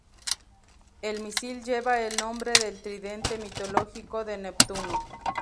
El misil lleva el nombre del tridente mitológico de Neptuno.